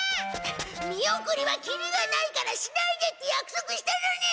見送りはキリがないからしないでってやくそくしたのに！